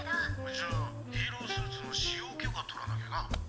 「じゃあヒーロースーツの使用許可取らなきゃな」。